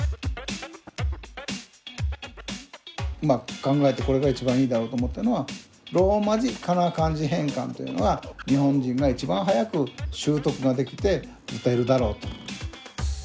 まあ考えてこれが一番いいだろうと思ったのはローマ字かな漢字変換というのが日本人が一番早く習得ができて打てるだろうと。